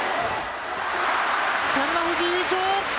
照ノ富士優勝！